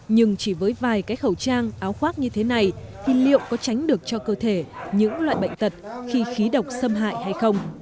nhưng chỉ với vài cái khẩu trang áo khoác như thế này thì liệu có tránh được cho cơ thể những loại bệnh tật khi khí độc xâm hại hay không